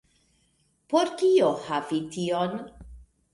Por kio havi tion?